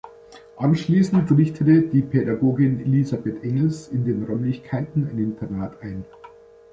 Anschließend richtete die Pädagogin Elisabeth Engels in den Räumlichkeiten ein Internat ein.